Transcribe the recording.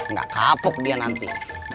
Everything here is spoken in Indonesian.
nggak kapuk dia nanti